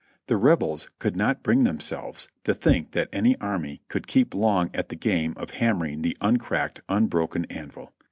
The Rebels could not bring themselves to think that any army could keep long at the game of hammering the uncracked, unbroken anvil.